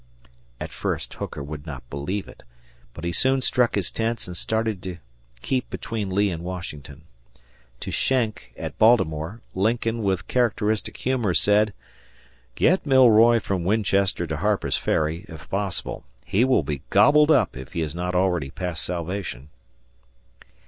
At first Hooker would not believe it, but he soon struck his tents and started to keep between Lee and Washington. To Schenck, at Baltimore, Lincoln, with characteristic humor, said, "Get Milroy from Winchester to Harper's Ferry, if possible. He will be gobbled up, if he is not already past salvation."